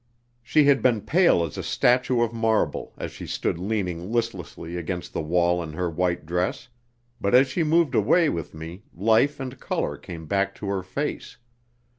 She had been pale as a statue of marble, as she stood leaning listlessly against the wall in her white dress, but as she moved away with me life and colour came back to her face.